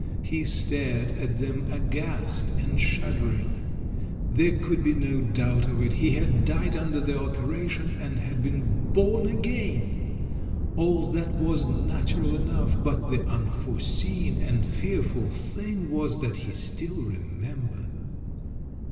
He stared at them aghast and shudder ing. There could be no doubt of it — he had died under the operation, and had been born again! All that was natural enough, but the unforeseen and fearful thing was that he still remembered.